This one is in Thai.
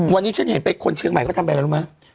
วันนี้ฉันเห็นไปคนเชียงใหม่ก็ทำแบบอะไรรู้มั้ย